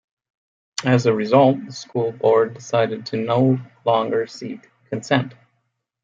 As a result, the school board decided to no longer seek consent.